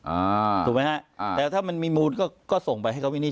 อ่าถูกไหมฮะอ่าแต่ถ้ามันมีมูลก็ก็ส่งไปให้เขาวินิจ